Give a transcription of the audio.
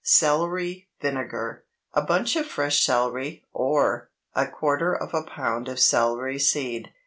CELERY VINEGAR. A bunch of fresh celery, or A quarter of a pound of celery seed.